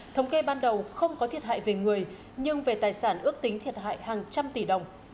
thống kê ban đầu không có thiệt hại về người nhưng về tài sản ước tính thiệt hại hàng trăm tỷ đồng